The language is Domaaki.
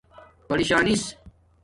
پری شانِس